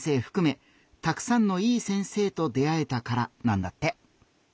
ふくめたくさんのいい先生と出会えたからなんだって。